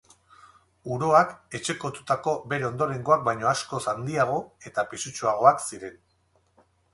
Uroak etxekotutako bere ondorengoak baino askoz handiago eta pisutsuagoak ziren.